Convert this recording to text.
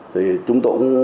thì chúng tôi cũng